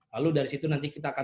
lalu dari situ nanti kita akan